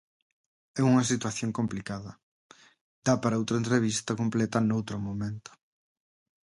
É unha situación complicada... dá para outra entrevista completa noutro momento.